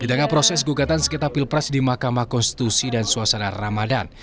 di tengah proses gugatan sekitar pilpres di mahkamah konstitusi dan suasana ramadan